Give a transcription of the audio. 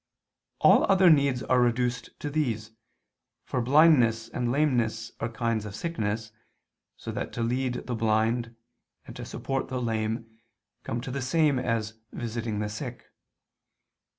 2: All other needs are reduced to these, for blindness and lameness are kinds of sickness, so that to lead the blind, and to support the lame, come to the same as visiting the sick.